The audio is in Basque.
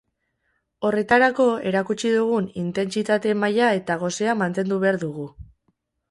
Horretarako, erakutsi dugun intentsitate maila eta gosea mantendu behar dugu.